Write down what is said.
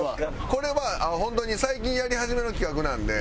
これは本当に最近やり始めの企画なんで。